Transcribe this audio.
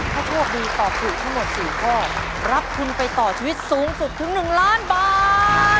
ถ้าโชคดีตอบถูกทั้งหมด๔ข้อรับทุนไปต่อชีวิตสูงสุดถึง๑ล้านบาท